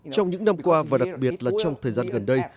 trong những năm qua và đặc biệt là trong thời gian gần đây